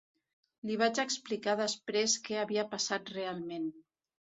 Li vaig explicar després què havia passat realment.